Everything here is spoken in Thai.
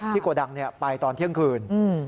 โกดังไปตอนเที่ยงคืน